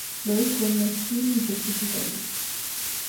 Louis لنگ نے jail میں خود کشی کر لی